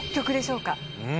うん！